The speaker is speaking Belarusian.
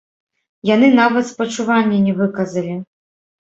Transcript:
Яны нават спачуванні не выказалі!